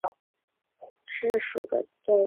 暹罗盾蛭为舌蛭科盾蛭属的动物。